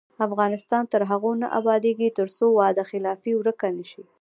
افغانستان تر هغو نه ابادیږي، ترڅو وعده خلافي ورکه نشي.